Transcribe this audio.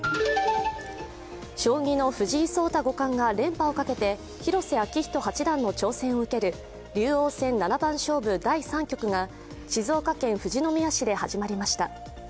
将棋の藤井聡太五冠が連覇をかけて広瀬章人八段の挑戦を受ける竜王戦七番勝負第３局が静岡県富士宮市で始まりました。